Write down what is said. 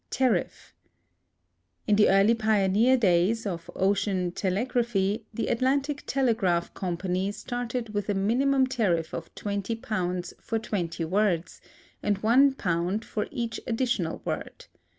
Tariff. In the early pioneer days of ocean telegraphy the Atlantic Telegraph Company started with a minimum tariff of £20 for twenty words, and £1 for each additional word.